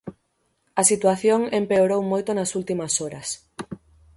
A situación empeorou moito nas últimas horas.